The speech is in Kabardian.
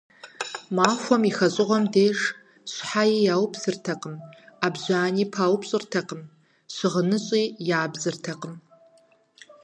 Махуэм и хэщӀыгъуэм деж щхьэи яупсыртэкъым, Ӏэбжьани паупщӀыртэкъым, щыгъыныщӀи ябзыртэкъым.